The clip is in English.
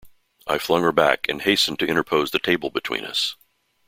I flung her back, and hastened to interpose the table between us.